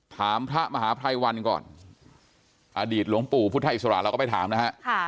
ถามพระมหาภัยวันก่อนอดีตหลวงปู่พุทธอิสระเราก็ไปถามนะฮะ